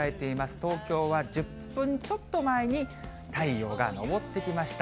東京は１０分ちょっと前に太陽が昇ってきました。